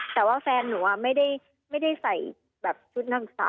แต่ว่าแฟนหนูไม่ได้ใส่แบบชุดนักศึกษา